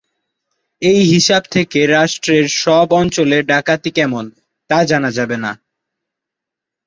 এই হিসাব থেকে রাষ্ট্রের সব অঞ্চলে ডাকাতি কেমন, তা জানা যাবে না।